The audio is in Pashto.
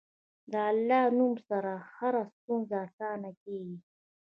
د الله نوم سره هره ستونزه اسانه کېږي.